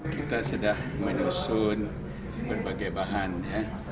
kita sudah menusun berbagai bahan